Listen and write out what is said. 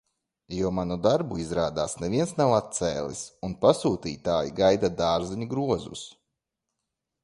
Jo manu darbu, izrādās, neviens nav atcēlis, un pasūtītāji gaida dārzeņu grozus.